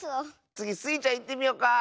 つぎスイちゃんいってみよか！